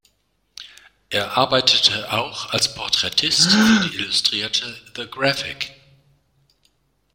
Er arbeitete auch als Porträtist für die Illustrierte The Graphic.